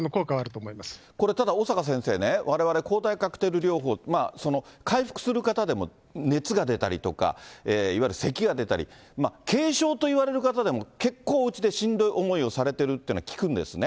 これ、ただ、小坂先生ね、われわれ、抗体カクテル療法、その回復する方でも熱が出たりとか、いわゆるせきが出たり、軽症といわれる方でも結構おうちでしんどい思いをされているというのは聞くんですね。